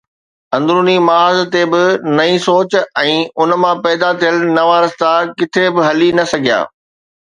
اندروني محاذ تي به نئين سوچ ۽ ان مان پيدا ٿيل نوان رستا ڪٿي به هلي نه سگهيا.